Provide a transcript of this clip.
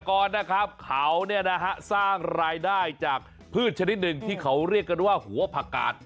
ก่อนนะครับเขาเนี่ยนะฮะสร้างรายได้จากพืชชนิดหนึ่งที่เขาเรียกกันว่าหัวผักกาด